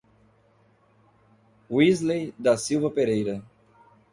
Wisley da Silva Pereira